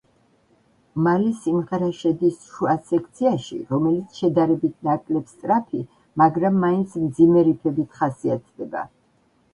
მალე სიმღერა შედის შუა სექციაში, რომელიც შედარებით ნაკლებ სწრაფი, მაგრამ მაინც მძიმე რიფებით ხასიათდება.